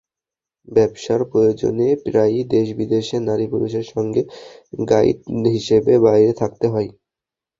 ব্যবসার প্রয়োজনে প্রায়ই দেশি-বিদেশি নারী-পুরুষের সঙ্গে গাইড হিসেবে বাইরে থাকতে হয়।